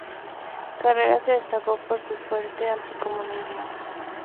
Carreras se destacó por su fuerte anticomunismo.